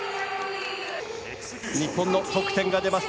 日本の得点が出ます。